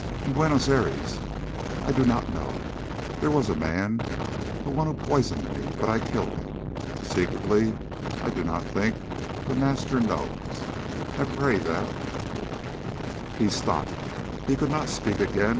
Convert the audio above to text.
In Buenos Aires I I do not know. There was a man the one who poisoned me but I killed him. Secretly. I do not think the Master knows. I pray that " He stopped. He could not speak again.